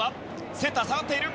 センター下がっている。